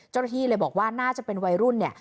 เจ้าหน้าที่เลยบอกว่าน่าจะเป็นวัยรุ่นเนี่ย